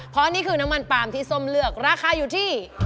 เพราะนี่คือน้ำมันปลามที่ส้มเลือกราคาอยู่ที่